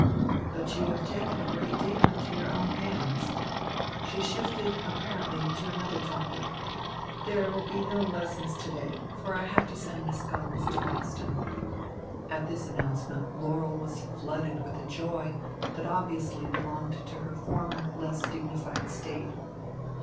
"But you have taken a great deal into your own hands." She shifted apparently to another topic. "There will be no lessons to day for I have to send Miss Gomes into Boston." At this announcement Laurel was flooded with a joy that obviously belonged to her former, less dignified state.